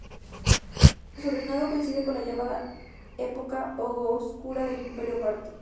Su reinado coincide con la llamada "Época oscura" del Imperio parto.